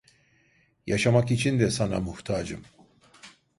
Yaşamak için de sana muhtacım.